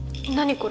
これ。